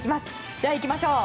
ではいきましょう。